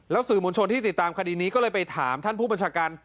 สื่อมวลชนที่ติดตามคดีนี้ก็เลยไปถามท่านผู้บัญชาการ